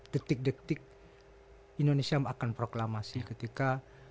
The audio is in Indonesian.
detik detik indonesia akan proklamasi ketika